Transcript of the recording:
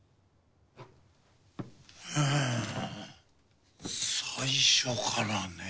ん最初からね。